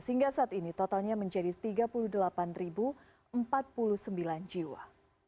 sehingga saat ini totalnya menjadi tiga puluh delapan empat puluh sembilan jiwa